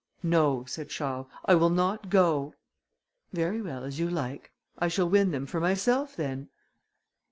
"No," said Charles, "I will not go." "Very well, as you like. I shall win them for myself then."